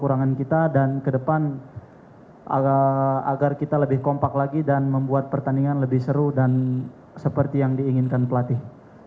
agar kita lebih kompak lagi dan membuat pertandingan lebih seru dan seperti yang diinginkan pelatih